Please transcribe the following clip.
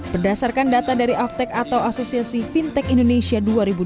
berdasarkan data dari aftek atau asosiasi fintech indonesia dua ribu dua puluh